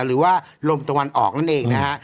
หรือว่าลมตะวันออกนั่นเองนะฮะ